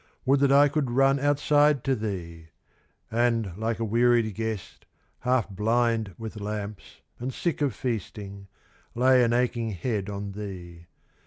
would that I could run Outside to thee; and, like a wearied guest, Half blind with lamps, and sick of feasting, lay An aching head on thee.